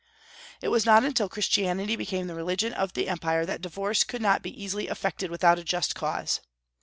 It was not until Christianity became the religion of the empire that divorce could not be easily effected without a just cause.